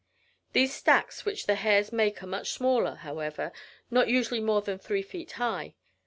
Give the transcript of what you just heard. The stacks which the hares make are much smaller, however, not usually more than three feet high.